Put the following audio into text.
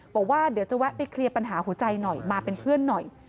บอกว่าเดี๋ยวจะแวะไปเคลียร์ปัญหาหัวใจหน่อยมาเป็นเพื่อนหน่อย